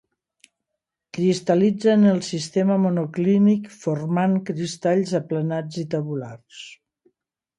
Cristal·litza en el sistema monoclínic formant cristalls aplanats i tabulars.